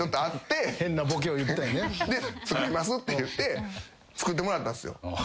作りますって言って作ってもらったんですよ。